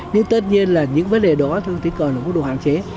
nhưng tất nhiên là những vấn đề đó thường tính còn là một nguồn hạn chế